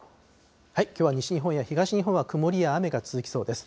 きょうは西日本や東日本は曇りや雨が続きそうです。